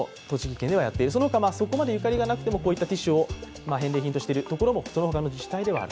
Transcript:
その他、そこまでゆかりがなくてもこういったティッシュを返礼品にしているところはその他の自治体ではある。